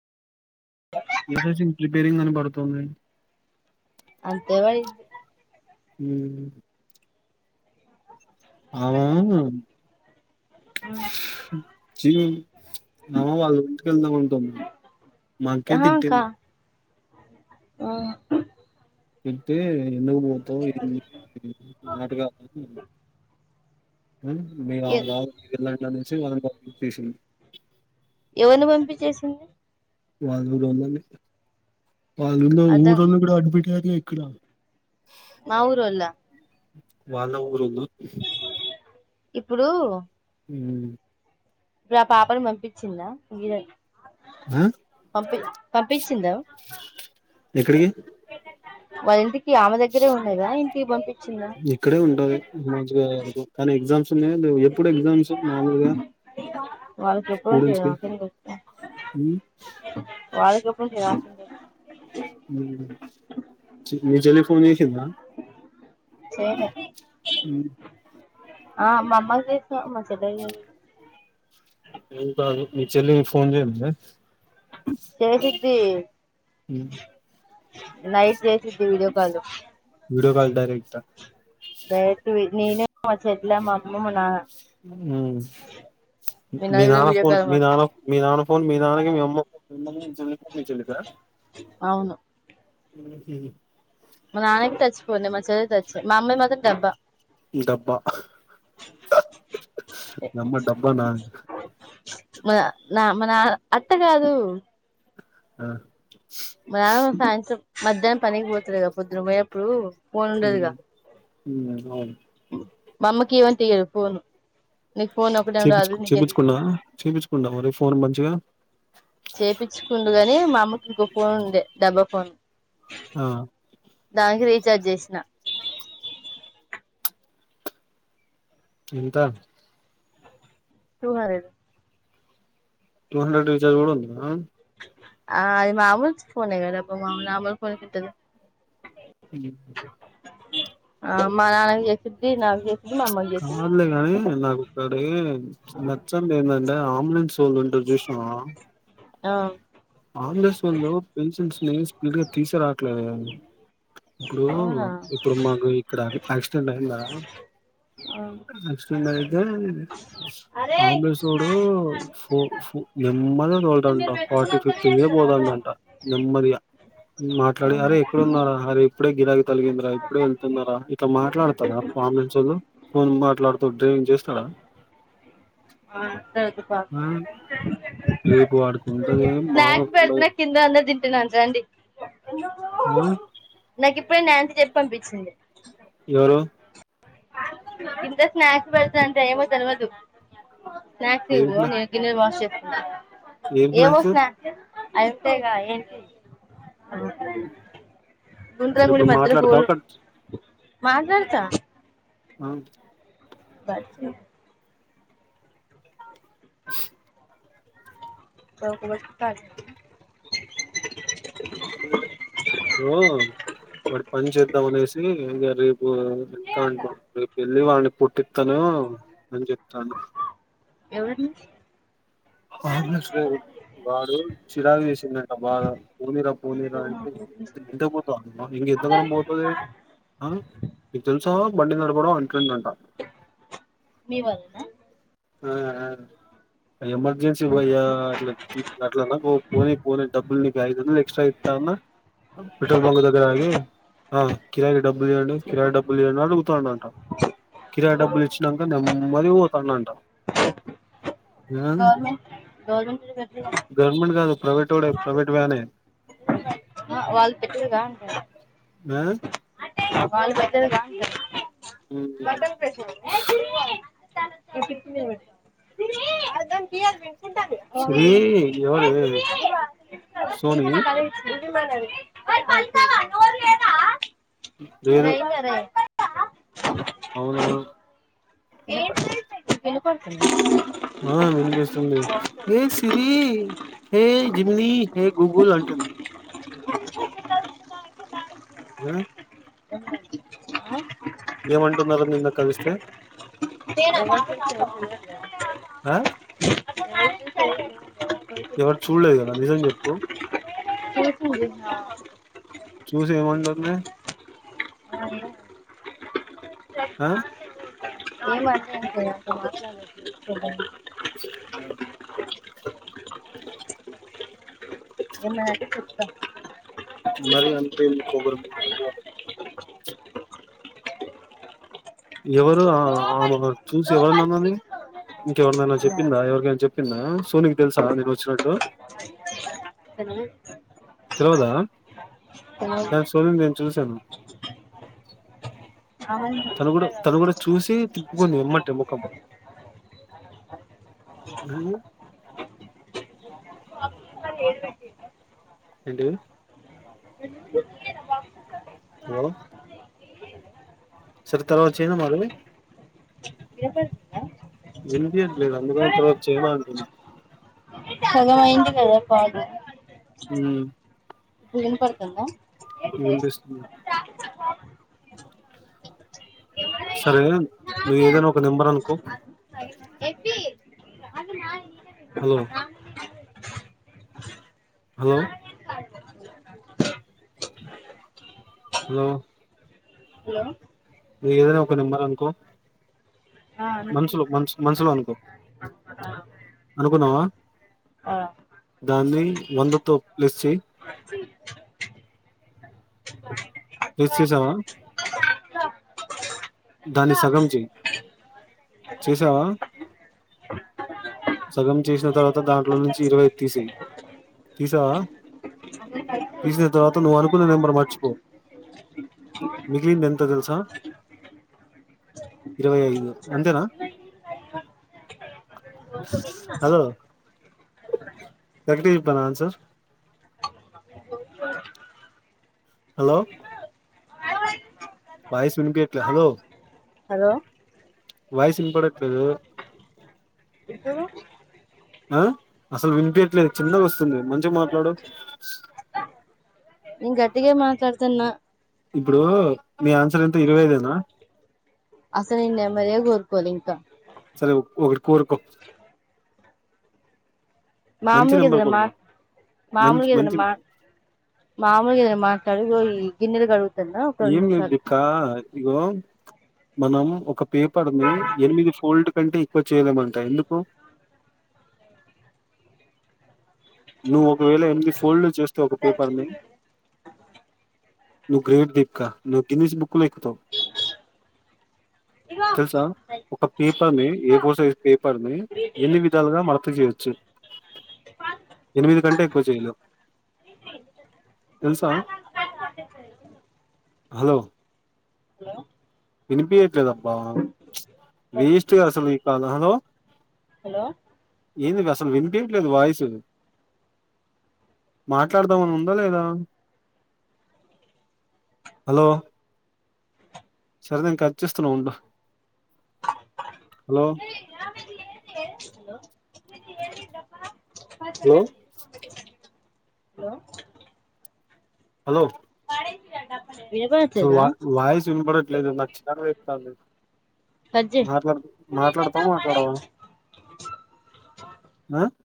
వుజేసింగ్ repairing అని పడుతుందే అంతే వై ఉ [unintelligible] చి నవ్వ వాళ్ళ ఇంటికి వెళ్దాం అంటుంది. మా అక్కే ఆహా కా తిటింది ఆ తిట్టే ఎందుకు పోతావ్ ఏమి [unintelligible] ఎ [unintelligible] ఎవరిని పంపించేసింది [unintelligible] వాళ్ళల్లో అర్థం [unintelligible] అడ్మిట్ ఎక్కడ మా ఊరోళ్ల వాళ్ళ ఊరోళ్ళు ఇప్పుడు ఉ ప్ర ఆ పాపను పంపించిందా మీర ఆ పంపి పంపించిందా ఎక్కడికి వాళ్ళింటి ఇక్కడే ఉంటది మంచిగా కానీ ఎగ్జామ్స్ ఉన్నాయిగా. ఎప్పుడు ఎగ్జామ్స్ మామూలుగా వాళ్ళకి ఎప్పుడు ఉంటాయి స్టూడెంట్స్ కి నాకేం ఉ వాళ్ళ గ్రూపులో చేరాలసిందే ఉ మీ చెల్లి ఫోన్ చేసిందా ఆ మా అమ్మకి చేసిన మా చెల్లికి చేయలే ఇంకా అది మీ చెల్లి మీ ఫోన్ చేయ [unintelligible] చేేసిద్ది నైట్ చేసిద్ది video call video call direct direct విన్ని నే మాట్లాడట్లేదు అమ్మ నాన్న మ్మ్ మేము మీ నలుగురం నాన్న వీడియో ఫోన్ కాల్ మీ మా నాన్న మీ నాన్న ఫోన్ మీ నాన్నకి మీ అమ్మ ఫోన్ చెల్లి ఫోన్ మీ చెల్లక అవును ఉ హు మా నాన్నది టచ్ ఫోనే మా మా చెల్లిది టచ్ మా అమ్మది మాత్రం డబ్బా డబ్బా మీ అమ్మ డబ్బా నా మా మా నాన్న అట్ట కాదు ఆ మ ఫ్యాన్స్ మధ్యాహ్నం పనికి పోతుడు కద పొద్దున పోయే అప్పుడు ఫోన్ ఉండదుగా ఏం కావాలి మామ్మకి ఇయ్యమంటే ఇయ్యడు ఫోను నీకు ఫోన్ ఒకటేం చేపు రాదు నీకెందుకు చేపించుకున్నా చేపించుకుంటావ మరి ఫోన్ మంచిగా చేపచ్చుకుండుగాని మా అమ్మ కు ఫోన్ ఉండే డబ్బా ఫోన్ ఆ దానికి రీఛార్జ్ చేసిన ఎంత టూ హాడడు టూ హండ్రెడ్ రీఛార్జ్ కూడా ఉందా ఆ అది మామలు ఫోన్ కడ అ మామలు మామలు ఫోన్ కట్టదు ఉ ఆ మా నాన్న చేపితి నాకు చేపితి కాదులే కానీ నాకుక్కడి నచ్చం ఏంటంటే అంబులెన్స్ ఉంటది చూసినవా ఆ అంబులెన్స్ వాళ్ళు బిల్లు చిట్టిని స్పీడ్ గా తీసుకురావడం లేదే ఇప్పుడు అవునా ఇప్పుడు మాకు ఇక్కడ యాక్సిడెంట్ అయిందా ఆ యాక్సిడెంట్ అయితే అంబులేసుడు నెమ్మదిగా తోలాడంట పీపీటీ మీద తోలుతుందంట నెమ్మద మాట్లాడి అరే అవునా ఎక్కడున్నారా అరే ఇప్పుడే గిరాకి తలిగిందరాా ఇప్పుడే వెళ్తున్నారా ఇట్లా మాట్లాడతారా ఆంబులెన్స్ సొల్లు ఫోన్ మాట్లాడుతూ డ్రైవింగ్ చేస్తాడా అంత ఆ రేపు వాడికి ఉంటది స్నాక్స్ మామూలుగా ఉండదు పెడుతున్నా కింద అందరు తింటున్నారు రండి ఆ పోయి నా అంత చెప్పి పంపించింది ఎవరు ఇంత స్నాక్స్ పెడతా అంటే ఏమల్వదు స్నాక్స్ ఏం తిను స్నా నేను గిన్నెలు వాష్ చేసి వస్తా ఏవో స్నాక్స్ అయింతేగా ఏంటి సరే గుండ్రగా ఉండి ఇప్పుడు మధ్యలో హోల్ మాట్లాడతావా ఉంటది కట్ మాట్లాతా అ పడితే ఇక్కడ ఒక ఉప్పు ప్యాకెట్టు అద సో వాడి పని చేద్దాం అనేసి ఇంకా రేపు ఎంత అంటా రేపు వెళ్ళి వాళ్ని పుట్టిస్తాను అని చెప్తాను ఎవరిని అబుల్స్ డ్రైవర్ వాడు చిరాకు చేసిండంట బాగా పోనీర పోనీరా అంటే పోతునమ్మా ఇంకా ఎంతగానం పోతది, మీకు తెలుసా బండి నడపడం అంటుండంట మీ వాళ్ళేనా ఆ ఆ ఎమర్జెన్సీ పోయ్యా అట్లా అట్ పోని పోని డబ్బుల్ని ఐదువందలు ఎక్సట్రా ఇస్తా, అన్న పెట్రోల్ బంక్ దగ్గర ఆగి ఆ కిరాయి డబ్బులు ఇయండి, కిరాయికి డబ్బులు తీయండి అడుగుతాండంట కిరాయి డబ్బులు ఇచ్చినాక నెమ్మదిగా పోతాడంట ఆ గవర్నమెంట్ గవర్నమెంట్ పెట్టలేదా గవర్నమెంట్ కాదు ప్రైవే ట్ ప్రవేట్ వానే ఆ వాళ్ళు పెట్టరుగా అంటే ఆ వాళ్ళు పెట్టరుగా అంటున్న [unintelligible] శ్రీ ఎవరు సోని [unintelligible] లేదు [unintelligible] ఆ వినపడుతుందా ఆ వినిపిస్తుంది. ఏ సిరి ఏ జిమ్లీ, ఏ గూగుల్ అంటుంది. ఆ ఏమంటున్నారు నిన్న కలిస్తే ఆ [unintelligible] ఎవరు చూడలేదు కదా నిజం చెప్పు చూసింది చూసి ఏమంటుంది. అ ఏమ్ ఆ ఏం అనటం లేదు నాతోన్ని మాట్లాడలేదు ఆ [unintelligible] ఏమన్నా అంటే చెప్తా మరి అంతే ది పొగరు, కోపం ఎవరు ఆ చూసి ఎవరిని అన్నది. ఇంకెవరితోనైనా చెప్పిందా, ఎవరికైనా చెప్పిందా సోనీకి తెలుసా నేను వచ్చినట్టు తెలవదా దని సోనీ ని నేను చూశాను. [unintelligible] అవును తను కూడా చూశారు తను కూడా చూసి తిప్పుకుంది ఏమ్మంటే ముఖం ఉ ఎంటి హలో సరే తర్వాత చేయనా మళ్లీ చెప్తా వినిపియ్యట్లే అందుకని తర్వాత చైనా అంటన్నా సగం అయింది కదా కాల్ ఉ ఇప్పుడు వినపడుతుందా వినిపిస్తుంది సరే నువ్వు ఏదైనా ఒక నెంబర్ అనుకో హలో హలో హలో హలో ఏదన ఒక నంబర్ అనుకో ఆ వినిపిస్తుంది మన్సులో మన్స్ మన్సులో అనుకో అనుకున్నావా ఆ దాన్ని వంద తో ప్లస్ చెయ్ గెస్ చేసావా దాన్ని సగం చెయ్ చేసావా సగం చేసిన తర్వాత దాంట్లో నుంచి ఇరవై తీసెయ్ తీసావా తీసిన తర్వాత నువ్ అనుకున్న నెంబర్ మర్చిపో మిగ్లింది ఎంత తెలుసా ఇరవై ఐదు అంతేనా వకిదింద కరక్టే ఎప్పానా ఆన్సర్ హలో బాయిస్ ఇనిపియట్లే హలో హలో వాయస్ ఇన్పడట్లేదు అ అసల్ వినిపియట్లేదు చిన్నగొస్తుంది మంచ మాట్లాడు ఏన్ గట్టిగే మాట్లాడతున్నా ఇప్పుడూ మీ ఆన్సర్ ఎంత ఇరవై ఐదేనా అసలు నేన్ నంబరే కోరుకోలే ఇంక సరే ఒకటి కోరుకో మంచి మాములుగా నెంబర్ ఎదన మా కోరుకో మంచి మాములుగా ఎదన మంచి మా మామూలుగ ఏదన్న మాట్లాడు ఈ గిన్నెల్ ఏం [unintelligible] ఇగో మనం ఒక పేపర్ ని ఎనిమిది ఫోల్డ్ కంటే ఎక్కువ చేయలేమంటా ఎందుకు నువ్ ఒకవేళ ఎంది ఫోల్డ్ చేస్త ఒక పేపర్ని నువ్ గ్రేట్ దీపికా ను గిన్నీస్ బుకులో ఎక్కుతవ్ తెలుసా ఒక పేపర్ ని ఏ ఫోర్ సైజ్ పేపర్ ని ఎన్ని విధాలుగా మరత చేయొచ్చు ఎనిమిది కంటే ఎక్కువ చేయలే తెలుసా హలో వినిపియట్లేదబ్బా వేస్ట్ గ అసలు ఈ కాల్ హలో హలో ఏంది గ అసలు వినిపీయట్లేదు వాయిసు మాట్లాడదామని ఉందా లేదా హలో సరే నేన్ కట్ చేస్తున్నా ఉండు hello hello hello hello hello అసలు వినపడట్లేదా వా వాయిస్ ఇన్పడ ట్లేదు నాక్ చిరాకు వేత్తాంది కట్ చెయ్ మాట్లాడు మాట్లాడతవ మాట్లాడవా అ